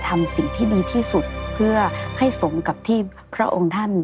ได้ดีที่สุดเพื่อให้ทรงกับที่พระองค์ท่าน